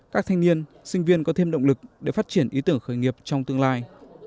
các thanh niên sinh viên có thêm động lực để phát triển ý tưởng khởi nghiệp trong tương lai